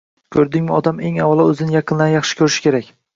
Ko‘rdingmi, odam eng avvalo o‘zining yaqinlarini yaxshi ko‘rishi kerak.